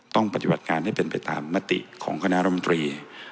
ต้องปฏิบัติการให้เป็นไปตามมติของคณะรมตรี